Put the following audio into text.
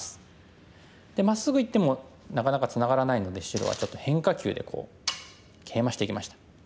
まっすぐいってもなかなかツナがらないので白はちょっと変化球でケイマしていきました。